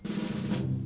dia udah berangkat